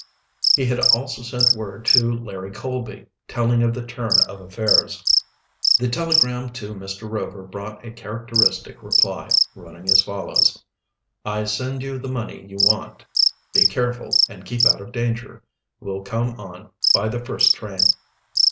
He had also sent word to Larry Colby, telling of the turn of affairs. The telegram to Mr. Rover brought a characteristic reply, running as follows: "I send you the money you want. Be careful and keep out of danger. Will come on by the first train."